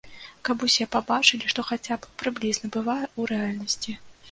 Каб усе пабачылі, што хаця б прыблізна бывае ў рэальнасці.